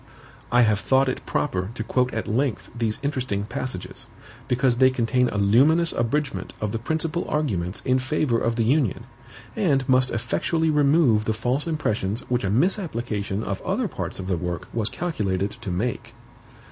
I have thought it proper to quote at length these interesting passages, because they contain a luminous abridgment of the principal arguments in favor of the Union, and must effectually remove the false impressions which a misapplication of other parts of the work was calculated to make.